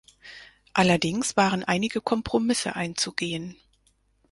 Allerdings waren einige Kompromisse einzugehen.